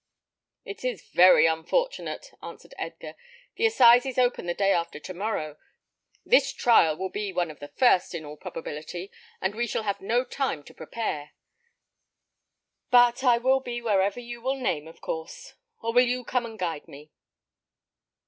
"It is very unfortunate," answered Edgar; "the assizes open the day after to morrow; this trial will be one of the first, in all probability, and we shall have no time to prepare. But I will be wherever you will name, of course; or will you come and guide me?"